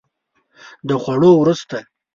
د خوړو وروسته